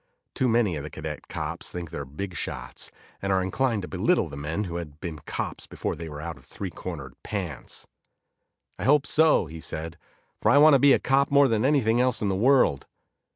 Too many of the cadet cops think they're big shots and are inclined to belittle the men who had been cops before they were out of three cornered pants. "I hope so," he said, "for I want to be a cop more than anything else in the world."